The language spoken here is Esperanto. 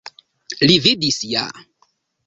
Li vidis ja.